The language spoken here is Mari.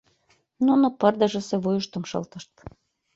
Нуно пырдыжысе вуйыштым шылтышт.